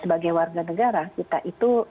sebagai warga negara kita itu